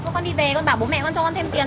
con đi về con bảo bố mẹ con cho con thêm tiền